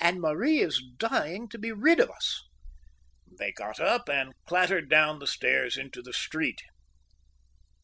"And Marie is dying to be rid of us." They got up, and clattered down the stairs into the street.